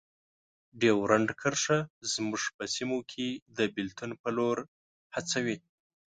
ډیورنډ کرښه زموږ په سیمو کې د بیلتون په لور هڅوي.